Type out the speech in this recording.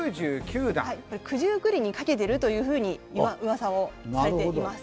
九十九里にかけてるというふうに噂をされています。